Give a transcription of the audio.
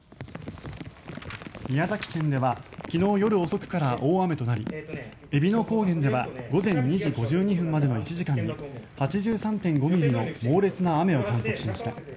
宮崎県では昨日夜遅くから大雨となりえびの高原では午前２時５２分までの１時間に８３．５ミリの猛烈な雨を観測しました。